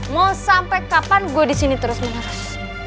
mau sampe kapan gue disini terus menerus